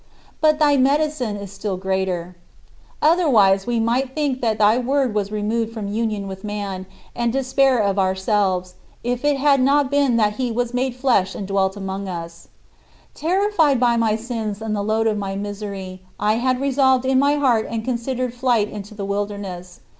But thy medicine is still greater. Otherwise, we might think that thy word was removed from union with man, and despair of ourselves, if it had not been that he was "made flesh and dwelt among us." 70. Terrified by my sins and the load of my misery, I had resolved in my heart and considered flight into the wilderness.